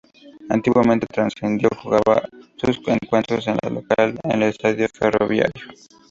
Antiguamente Trasandino jugaba sus encuentros de local en el Estadio Ferroviario.